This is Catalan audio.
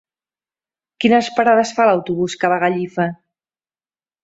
Quines parades fa l'autobús que va a Gallifa?